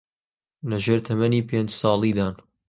لەژێر تەمەنی پێنج ساڵیدان